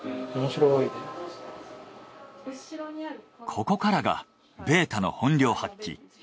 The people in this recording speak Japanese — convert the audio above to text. ここからがベータの本領発揮。